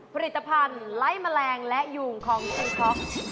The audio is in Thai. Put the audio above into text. ผลิตภัณฑ์ไล่แมลงและยุงของเซ็นค็อก